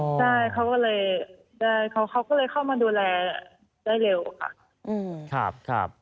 ใช่เขาก็เลยแต่เขาก็เลยเข้ามาดูแลได้เร็วค่ะอืมครับครับ